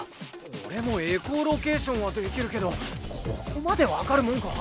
俺もエコーロケーションはできるけどここまでわかるもんか？